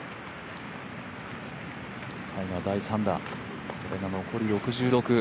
タイガー第３打、これが残り６６。